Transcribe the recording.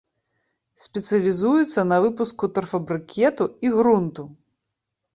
Спецыялізуецца на выпуску торфабрыкету і грунту.